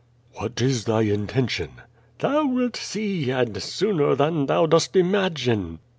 What is thy intention?" Thou wilt see, and sooner than thou dost imagine.